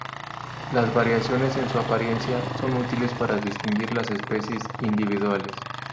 Las variaciones en su apariencia son útiles para distinguir las especies individuales.